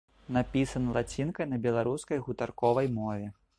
Напісана лацінкай на беларускай гутарковай мове.